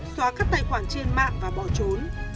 xóa các tài khoản trên mạng và bỏ trốn